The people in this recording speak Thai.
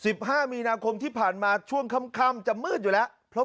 สิบห้ามีนาคมที่ผ่านมาช่วงค่ำจะมืดอยู่แล้ว